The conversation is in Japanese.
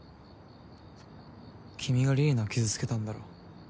君が李里奈を傷つけたんだろ。